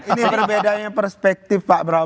ini berbedanya perspektif pak prabowo